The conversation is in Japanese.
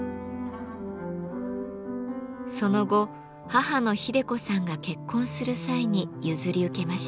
その後母の英子さんが結婚する際に譲り受けました。